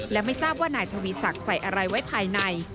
และไม่ทราบว่านายทวีศักดิ์ใส่อะไรไว้ภายใน